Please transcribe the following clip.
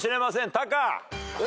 タカ。